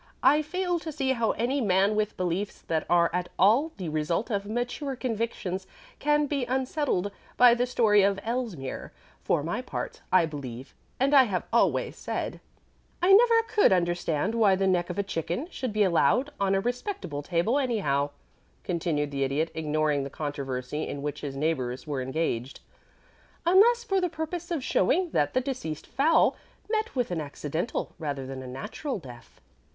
I fail to see how any man with beliefs that are at all the result of mature convictions can be unsettled by the story of Elsmere. For my part I believe, and I have always said " "I never could understand why the neck of a chicken should be allowed on a respectable table anyhow," continued the Idiot, ignoring the controversy in which his neighbors were engaged, "unless for the purpose of showing that the deceased fowl met with an accidental rather than a natural death."